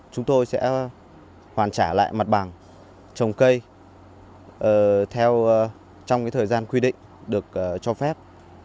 chúng tôi sẽ hoàn trả lại mặt bảng trồng cây trong thời gian quy định được cho phép